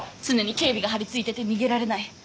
常に警備が張り付いてて逃げられない。